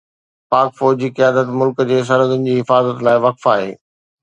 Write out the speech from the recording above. پاڪ فوج جي قيادت ملڪ جي سرحدن جي حفاظت لاءِ وقف آهي.